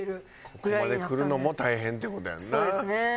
ここまでくるのも大変っていう事やんな。